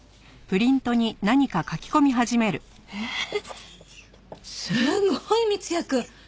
えっすごい三ツ矢くん。